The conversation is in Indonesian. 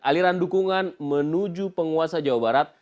aliran dukungan menuju penguasa jawa barat